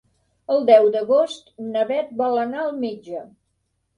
El deu d'agost na Bet vol anar al metge.